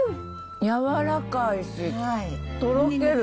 やわらかいしとろける。